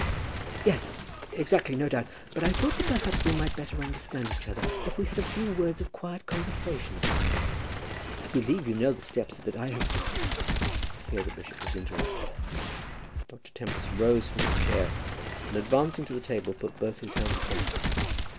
"Yes; exactly; no doubt; but I thought that perhaps we might better understand each other if we had a few words of quiet conversation upon the subject. I believe you know the steps that I have " But here the bishop was interrupted. Dr. Tempest rose from his chair, and advancing to the table put both his hands upon it.